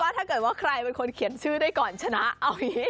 ถ้าเกิดว่าใครเป็นคนเขียนชื่อได้ก่อนชนะเอาอย่างนี้